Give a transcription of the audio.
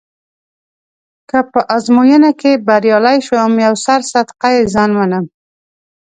که په ازموینه کې بریالی شوم یو سر صدقه يه ځان منم.